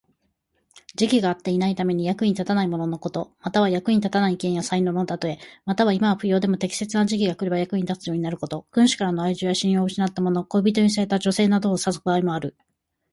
時期が合っていないために、役に立たないもののこと。または、役に立たない意見や才能のたとえ。または、今は不要でも適切な時期が来れば役に立つようになること。君主からの愛情や信用を失ったもの、恋人に捨てられた女性などを指す場合もある。